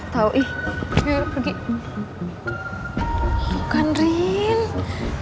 ini pasti karena kita masuk sekolah walaupun udah di skors tau